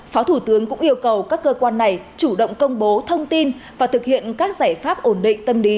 phó thủ tướng cũng yêu cầu các cơ quan này chủ động công bố thông tin và thực hiện các giải pháp ổn định tâm lý